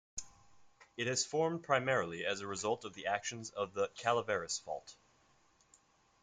It has formed primarily as a result of the actions of the Calaveras Fault.